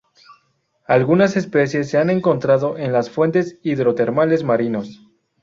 Algunas especies se han encontrado en las fuentes hidrotermales marinos.